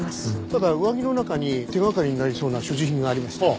ただ上着の中に手掛かりになりそうな所持品がありました。